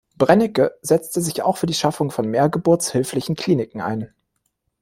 Brennecke setzte sich auch für die Schaffung von mehr geburtshilflichen Kliniken ein.